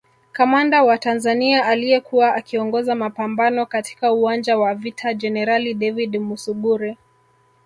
Kamanda wa Tanzania aliyekuwa akiongoza mapambano katika uwanja wa vita Jenerali David Musuguri